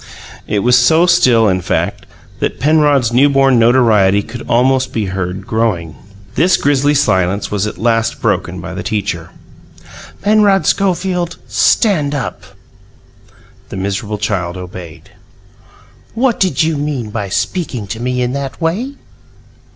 It was so still, in fact, that Penrod's newborn notoriety could almost be heard growing. This grisly silence was at last broken by the teacher. "Penrod Schofield, stand up!" The miserable child obeyed. "What did you mean by speaking to me in that way?"